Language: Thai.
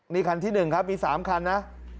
นี่คันที่๑ครับมี๓คันนะ